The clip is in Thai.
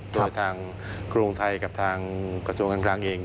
โดยทางกรุงไทยกับทางกระทรวงการคลังเอง